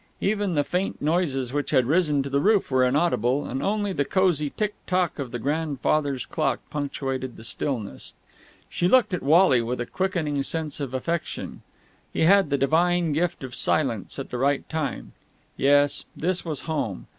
Even the faint noises which had risen to the roof were inaudible, and only the cosy tick tock of the grandfather's clock punctuated the stillness. She looked at Wally with a quickening sense of affection. He had the divine gift of silence at the right time. Yes, this was home.